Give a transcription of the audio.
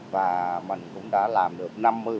và mình cũng đã làm được